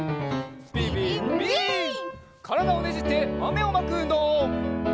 からだをねじってまめをまくうんどう！